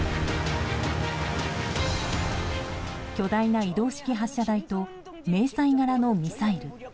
巨大な移動式発射台と迷彩柄のミサイル。